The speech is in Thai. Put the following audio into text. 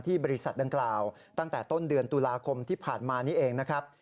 บริษัทดังกล่าวตั้งแต่ต้นเดือนตุลาคมที่ผ่านมานี้เองนะครับ